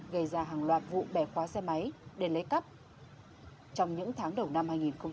gây ra hàng loạt vụ bẻ khóa xe máy để lấy cắp trong những tháng đầu năm hai nghìn hai mươi